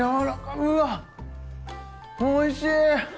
うわっおいしい！